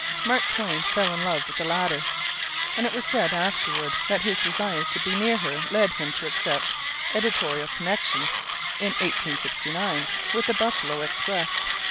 Mark Twain fell in love with the latter, and it was said afterward that his desire to be near her led him to accept editorial connection in 1869 with the Buffalo Express.